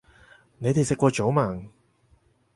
你哋食過早吂